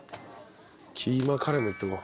キーマカレーもいっとこう。